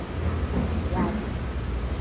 Bigaadi.